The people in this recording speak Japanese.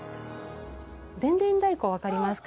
でんでん太鼓分かりますか？